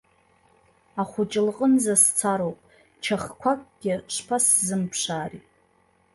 Ахәыҷы лҟынӡа сцароуп, чахқәакгьы шԥасзымԥшаари.